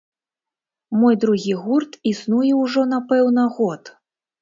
Мой другі гурт існуе ўжо, напэўна, год.